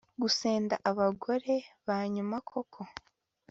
gusenda abagore banyu koko